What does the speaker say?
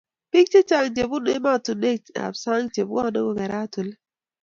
bik chechang chebunu ematunwek ab sang chebwane kokerat oli